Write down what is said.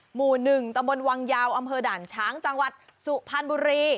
หมู่๑ตำบลวังยาวอำเภอด่านช้างจังหวัดสุพรรณบุรี